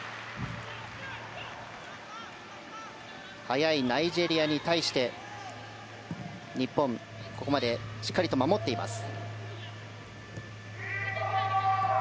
速いナイジェリアに対して日本、ここまでしっかりと守っています。